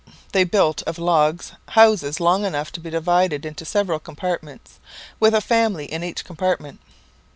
They built of logs, houses long enough to be divided into several compartments, with a family in each compartment.